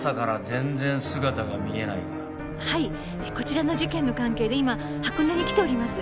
はいこちらの事件の関係で今箱根に来ております。